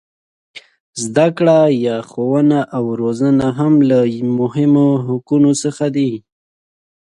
زده کړه یا ښوونه او روزنه هم له مهمو حقونو څخه ده.